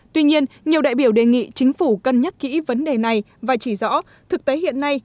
tuy nhiên nhiều đại biểu đề nghị chính phủ cân nhắc kỹ vấn đề này và chỉ rõ thực tế hiện nay